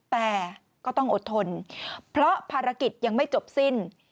แต่ก็ต้องอดทนเพราะภารกิจยังไม่จบสิ้น